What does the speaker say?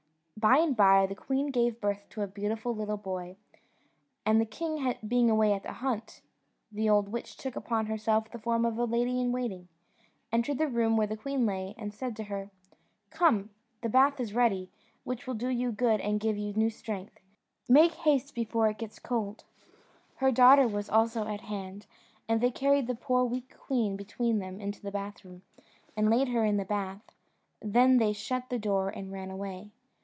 By and by the queen gave birth to a beautiful little boy; and the king being away at the hunt, the old witch took upon herself the form of the lady in waiting, entered the room where the queen lay, and said to her, "Come, the bath is ready, which will do you good and give you new strength; make haste before it gets cold." Her daughter was also at hand, and they carried the poor weak queen between them into the bathroom, and laid her in the bath: then they shut the door and ran away.